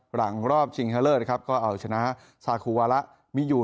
หลังรอบชิงเฮอร์เลอร์ก็เอาชนะซาคูวาระมิยู